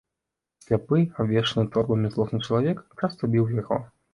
Сляпы, абвешаны торбамі злосны чалавек, часта біў яго.